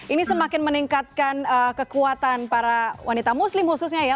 ini semakin meningkatkan kekuatan para wanita muslim khususnya ya